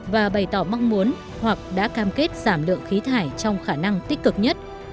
và bày tỏ mong muốn hoặc đã cam kết giảm lượng khí thải trong khả năng tích cực nhất